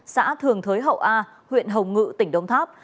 xã thường thới hậu a huyện hồng ngự tỉnh đông tháp